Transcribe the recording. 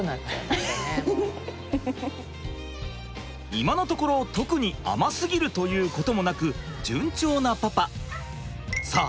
今のところ特に甘すぎるということもなく順調なパパ。